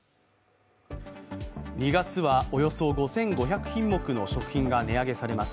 ２月はおよそ５５００品目の食品が値上げされます。